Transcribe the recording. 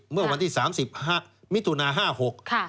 เมื่อวันที่๓๕มิถุนา๕๖